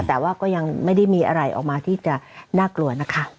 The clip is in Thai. แต่ว่าก็ยังไม่ได้มีอะไรออกมาที่จะน่ากลัวนะคะ